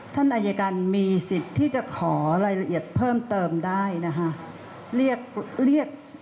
ท่านอัยการมีสิทธิ์ที่จะขอรายละเอียดเพิ่มเติมได้นะคะ